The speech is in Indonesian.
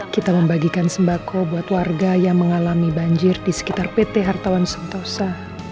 kita membagikan sembako buat warga yang mengalami banjir di sekitar pt hartawan sentosa